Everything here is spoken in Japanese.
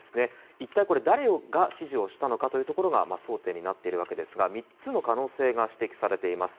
いったい誰が指示をしたのかが争点になっているわけですが３つの可能性が指摘されています。